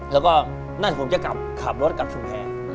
แล้วก็น่าจะผมจะขับรถกลับชุงแพ้